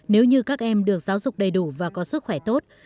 nếu như các em được giáo dục đầy đủ và có sức khỏe tốt